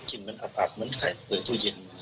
กลิ่นมันอับเหมือนใครเปิดตู้เย็น